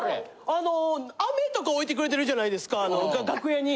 あの飴とか置いてくれてるじゃないですか楽屋に。